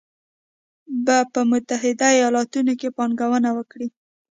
به په متحدو ایالتونو کې پانګونه وکړي